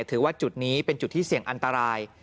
ถือว่าจุดนี้เป็นจุดที่เสี่ยงอันตราย